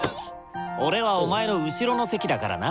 俺はお前の後ろの席だからな。